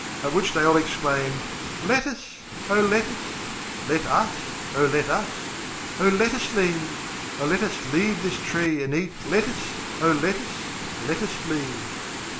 At which they all exclaimed, "Lettuce! O lettuce Let us, O let us, O lettuce leaves, O let us leave this tree, and eat Lettuce, O let us, lettuce leaves!"